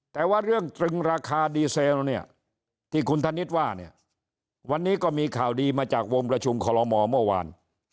แต่ว่าเรื่องตรึงราคาดีเซลเนี่ยที่คุณธนิษฐ์ว่าเนี่ยวันนี้ก็มีข่าวดีมาจากวงประชุมคอลโมเมื่อวาน